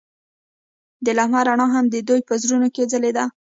د لمحه رڼا هم د دوی په زړونو کې ځلېده.